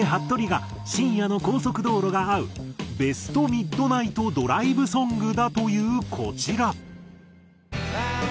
とりが深夜の高速道路が合うベスト・ミッドナイトドライブソングだというこちら。